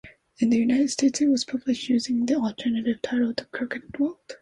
In the United States it was published using the alternative title The Crooked Wreath.